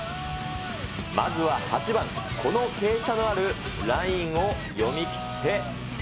まずは８番、この傾斜のあるラインを読み切って。